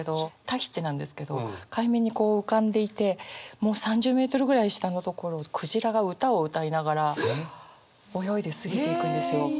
タヒチなんですけど海面にこう浮かんでいてもう３０メートルぐらい下のところをクジラが歌をうたいながら泳いで過ぎていくんですよ。